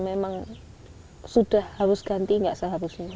memang sudah harus ganti nggak seharusnya